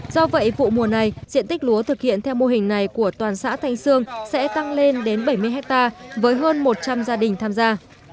do vậy vụ mùa này diện tích lúa thực hiện theo mô hình này của toàn xã thanh sương sẽ tăng lên đến bảy mươi hectare với hơn một trăm linh gia đình tham gia